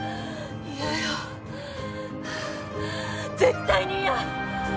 嫌よ絶対に嫌！